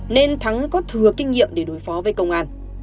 nên thắng có thừa kinh nghiệm để đối phó với công an